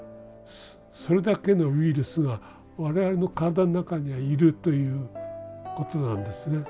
それだけのウイルスが我々の体の中にはいるということなんですね。